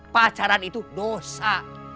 pacaran itu dosa